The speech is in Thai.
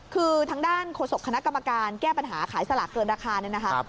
คือทางด้านโฆษกคณะกรรมการแก้ปัญหาขายสลากเกินราคาเนี่ยนะคะ